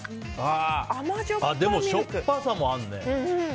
でも、しょっぱさもあるね。